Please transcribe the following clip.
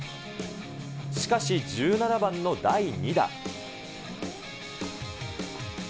しかし、１７番の第２打。